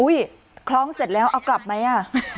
คล้องเสร็จแล้วเอากลับไหมอ่ะ